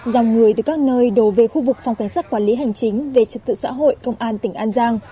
dòng người từ các nơi đổ về khu vực phòng cảnh sát quản lý hành chính về trật tự xã hội công an tỉnh an giang